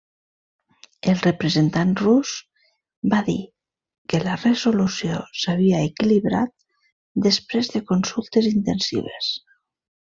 El representant rus va dir que la resolució s'havia equilibrat després de consultes intensives.